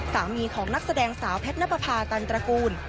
สามีของนักแสดงสาวแพทย์นับประพาตันตระกูล